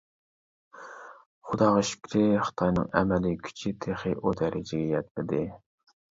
خۇداغا شۈكرى، خىتاينىڭ ئەمەلىي كۈچى تېخى ئۇ دەرىجىگە يەتمىدى!